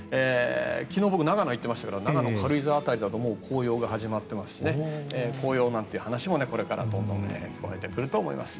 昨日、僕は長野に行っていましたが軽井沢辺りだと紅葉が始まっていますし紅葉という話もこれから出てくると思います。